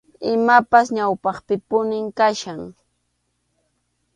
Imapipas ñawpaqpipuni kachkan.